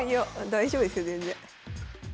大丈夫ですよ全然。